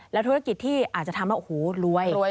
ธุรกิจที่อาจจะทำให้โอ้โหรวย